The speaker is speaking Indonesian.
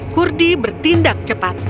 kurdi bertindak cepat